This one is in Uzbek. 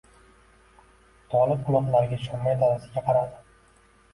Tolib quloqlariga ishonmay dadasiga qaradi